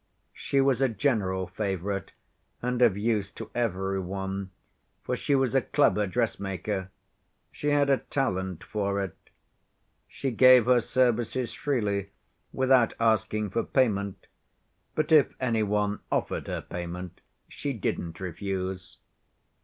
She was a general favorite, and of use to every one, for she was a clever dressmaker. She had a talent for it. She gave her services freely without asking for payment, but if any one offered her payment, she didn't refuse.